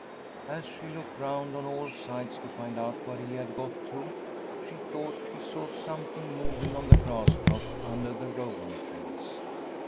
As she looked round on all sides to find out where he had got to, she thought she saw something moving on the grass plot under the rowan trees.